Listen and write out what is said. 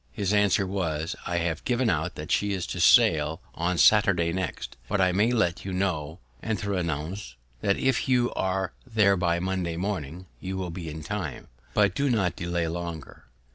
His answer was, "I have given out that she is to sail on Saturday next; but I may let you know, entre nous, that if you are there by Monday morning, you will be in time, but do not delay longer."